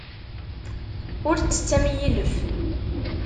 Ur ttett am yilef.